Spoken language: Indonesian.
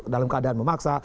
dalam keadaan memaksa